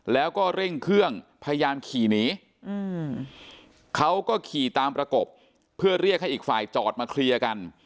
แล้วก็เร่งเครื่องพยายามขี่หนีเขาก็ขี่ตามประกบเพื่อเรียกให้อีกฝ่ายจอดมาเคลียร์กัน